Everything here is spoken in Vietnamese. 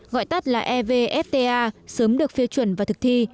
gọi tắt là evfta sớm được phê chuẩn và thực thi